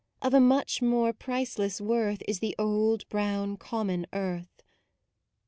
Of a much more priceless worth Is the old, brown, common earth.